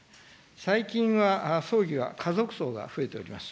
最近は葬儀は家族葬が増えております。